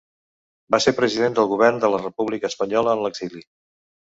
Va ser president del Govern de la República espanyola en l'exili.